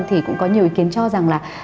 thì cũng có nhiều ý kiến cho rằng